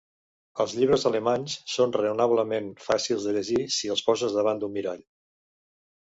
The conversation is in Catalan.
Els llibres alemanys son raonablement fàcils de llegir si els poses davant d'un mirall.